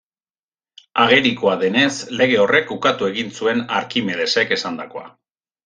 Agerikoa denez, lege horrek ukatu egin zuen Arkimedesek esandakoa.